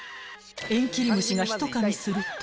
［縁切り虫がひとかみすると］